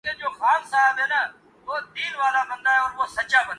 غربت کے ذمہ دار ہیں یعنی سر ما یہ دار طبقہ